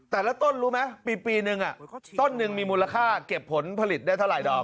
แต่ละต้นรู้ไหมปีนึงต้นหนึ่งมีมูลค่าเก็บผลผลิตได้เท่าไหดอม